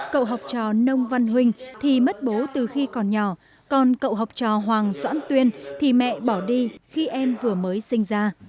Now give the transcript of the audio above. cậu học trò nông văn huynh thì mất bố từ khi còn nhỏ còn cậu học trò hoàng doãn tuyên thì mẹ bỏ đi khi em vừa mới sinh ra